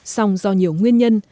xong do nhiều nguyên nhân